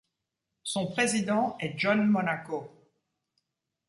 Son président est John Monaco.